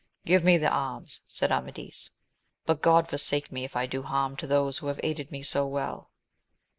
Give me the arms! said Amadis; but God forsake me if I do harm to those who have aided me so well.